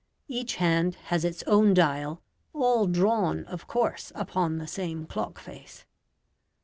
Each hand has its own dial; all drawn, of course, upon the same clock face.